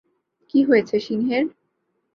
কি হয়েছে সিংহের?